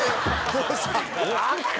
どうした？